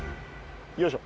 よいしょ。